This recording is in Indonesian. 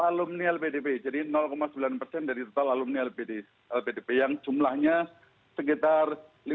alumni lpdp jadi sembilan persen dari total alumni lpdp yang jumlahnya sekitar lima belas sembilan ratus tiga puluh